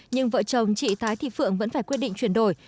nhưng vợ chồng chị thái thị phượng vẫn phải quyết định chuyển đổi